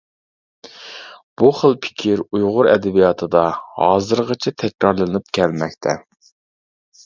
بۇ خىل پىكىر ئۇيغۇر ئەدەبىياتىدا ھازىرغىچە تەكرارلىنىپ كەلمەكتە.